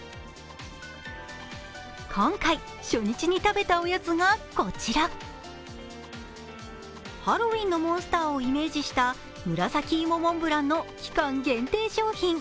今回、初日に食べたおやつがこちらハロウィーンのモンスターをイメージした紫芋モンブランの期間限定商品。